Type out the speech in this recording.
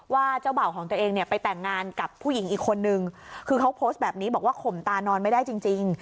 เจ้าบ่าวของตัวเองเนี่ยไปแต่งงานกับผู้หญิงอีกคนนึงคือเขาโพสต์แบบนี้บอกว่าข่มตานอนไม่ได้จริงจริง